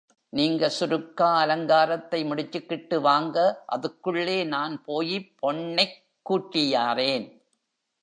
நீங்க சுருக்கா அலங்காரத்தை முடிச்சிக்கிட்டு வாங்க அதுக்குள்ளே நான் போயிப் பொண்ணெக் கூட்டியாரேன்.